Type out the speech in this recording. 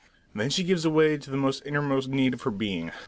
Then she gives way to the innermost need of her being.